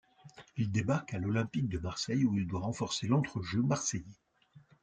Il débarque à l'Olympique de Marseille, où il doit renforcer l'entre-jeu marseillais.